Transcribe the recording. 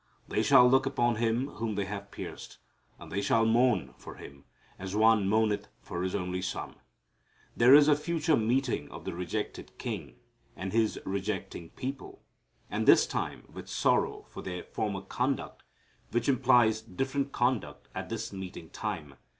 "They shall look upon Him whom they have pierced; and they shall mourn for Him, as one mourneth for his only son." There is a future meeting of the rejected King and His rejecting people, and this time with sorrow for their former conduct, which implies different conduct at this meeting time.